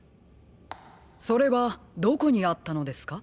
それはどこにあったのですか？